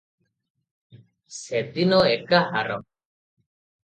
ସେଦିନ ଏକାହାର ।